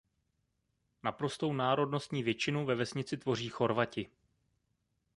Naprostou národnostní většinu ve vesnici tvoří Chorvati.